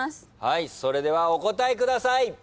それではお答えください。